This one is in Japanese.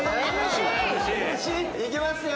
いきますよ。